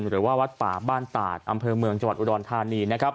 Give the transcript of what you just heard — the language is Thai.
หรือว่าวัดป่าบ้านตาทอำเภอเมืองจวดอุดรธานี